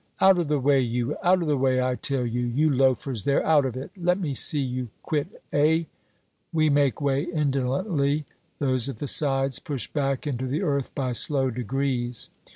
"Out of the way, you! Out of the way, I tell you! You loafers there, out of it! Let me see you quit, hey!" We make way indolently. Those at the sides push back into the earth by slow degrees.